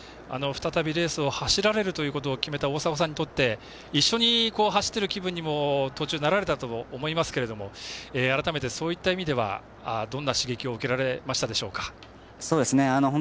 再びレースを走られることを決めた大迫さんにとって一緒に走っている気分にも途中なられたと思いますけど改めてそういった意味ではどんな刺激を受けられましたでしょうか？